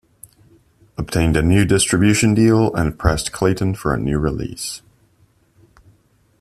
obtained a new distribution deal and pressed Klayton for a new release.